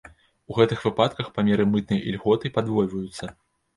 У гэтых выпадках памеры мытнай ільготы падвойваюцца.